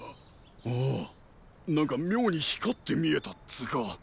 ああなんか妙に光って見えたっつーか。